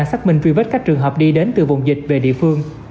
xác minh truy vết các trường hợp đi đến từ vùng dịch về địa phương